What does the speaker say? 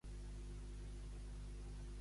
M'hi he trobat molt bé a l'apartament de la Begoña